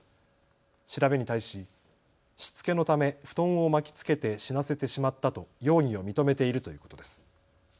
調べに対し、しつけのため布団を巻きつけて死なせてしまったと容疑を認めているということです。